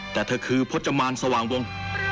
แต่เธอคือพจมานสว่างวง